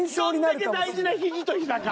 どんだけ大事な肘と膝か。